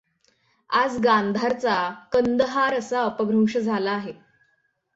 आज गांधारचा कंदहार असा अपभ्रंश झाला आहे.